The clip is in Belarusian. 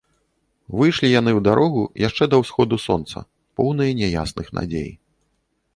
Выйшлі яны ў дарогу яшчэ да ўсходу сонца, поўныя няясных надзей.